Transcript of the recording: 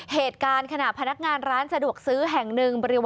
เหตุการณ์ขณะพนักงานร้านสะดวกซื้อแห่งหนึ่ง